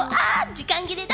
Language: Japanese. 時間切れだ！